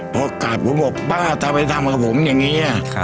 พอกัดผมบอกป้าทำไมทำกับผมอย่างนี้